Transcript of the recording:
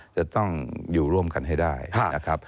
จะต้องอยู่ร่วมกันให้ได้นะครับ